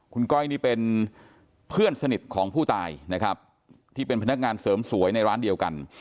คุณก้อยนี่เป็นเพื่อนสนิทของผู้ตายนะครับที่เป็นพนักงานเสริมสวยในร้านเดียวกัน